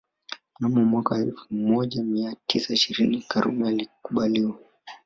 Mnamo mwaka elfu Mona mia tisa ishirini Karume alikubaliwa